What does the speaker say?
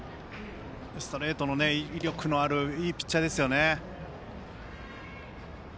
ストレートに威力のあるいいピッチャーですよね。